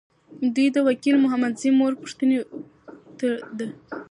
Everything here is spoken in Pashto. دوی د وکیل محمدزي مور پوښتلي ده.